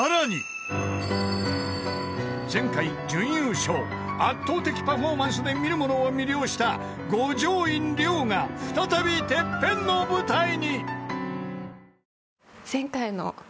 ［前回準優勝圧倒的パフォーマンスで見る者を魅了した五条院凌が再びＴＥＰＰＥＮの舞台に］